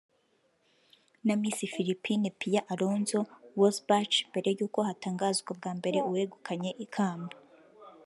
na Miss Philippines Pia Alonzo Wurtzbach mbere y'uko hatangazwa bwa mbere uwegukanye ikamba